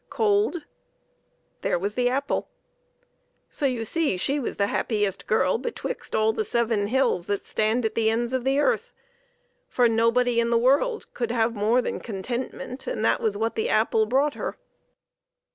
Cold ? there was the apple. So you see, she was the happiest girl bewixt all the seven hills that stand at the ends of the earth ; for nobody in the world can have more than contentment, and that was what the apple brought her.